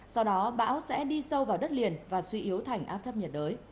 sau đó bão sẽ đi sâu vào đất liền và suy yếu thành